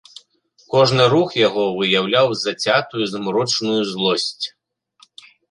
Кожны рух яго выяўляў зацятую змрочную злосць.